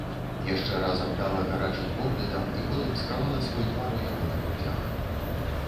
Яшчэ раз абдала гарачым поглядам і потым схавала свой твар у яго на грудзях.